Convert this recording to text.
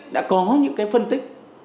đã có những cái phân tích